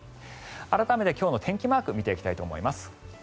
改めて今日の天気マークを見ていきたいと思います。